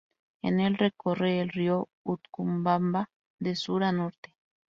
En el recorre el río Utcubamba de sur a norte.